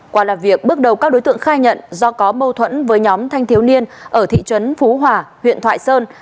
qua làm việc bước đầu các đối tượng khai nhận do có mâu thuẫn với nhóm thanh thiếu niên ở thị trấn phú hòa huyện thoại sơn